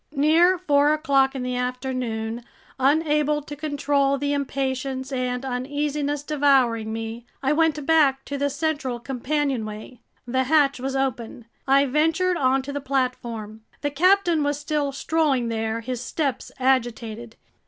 Near four o'clock in the afternoon, unable to control the impatience and uneasiness devouring me, I went back to the central companionway. The hatch was open. I ventured onto the platform. The captain was still strolling there, his steps agitated.